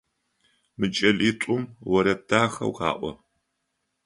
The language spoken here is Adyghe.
Мы кӏэлитӏум орэд дахэу къаӏо.